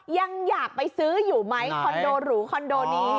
ยังอยากไปซื้ออยู่ไหมคอนโดหรูคอนโดนี้